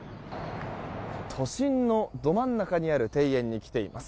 都心のど真ん中にある庭園に来ています。